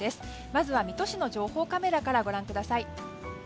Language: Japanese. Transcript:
まずは水戸市の情報カメラからご覧ください。